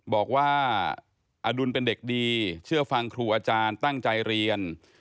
บอกว่าอดุลเป็นเด็กดีเชื่อฟังครูอาจารย์ตั้งใจเรียน